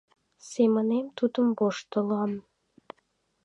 Семынем тудым воштылам.